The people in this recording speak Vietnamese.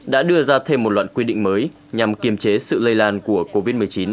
đã đưa ra thêm một luận quy định mới nhằm kiềm chế sự lây lan của covid một mươi chín